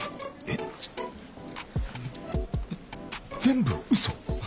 えっ全部嘘？